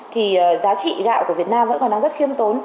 thì giá trị gạo của việt nam vẫn còn đang rất khiêm tốn